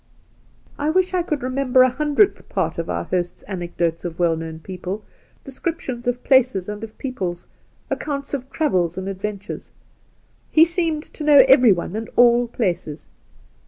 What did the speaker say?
' I wish I could remember a hundredth part of our host's anecdotes of well known people, descriptions of places and of peoples, accounts of travels and adventures. He seemed to know everyone and all places.